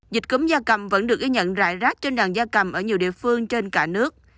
dịch cúng gia cầm vẫn được ghi nhận rải rác trên đàn gia cầm ở nhiều địa phương trên cả nước